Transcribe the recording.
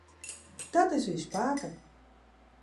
Dat is ús pake.